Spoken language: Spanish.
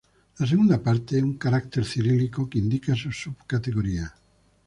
La segunda parte, un carácter cirílico, que indica su subcategoría.